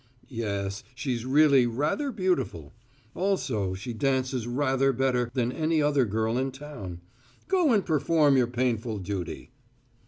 "Yes, she's really `rather' beautiful. Also, she dances `rather' better than any other girl in town. Go and perform your painful duty."